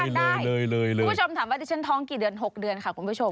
ได้เลยคุณผู้ชมถามว่าดิฉันท้องกี่เดือน๖เดือนค่ะคุณผู้ชม